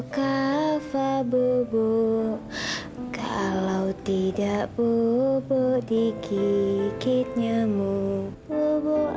kayaknya kalau terlalu terus ya ketsip purely